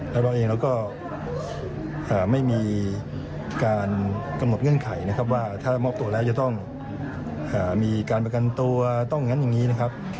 แล้วเราเองเราก็ไม่มีการกำหนดเงื่อนไขนะครับว่าถ้ามอบตัวแล้วจะต้องมีการประกันตัวต้องงั้นอย่างนี้นะครับ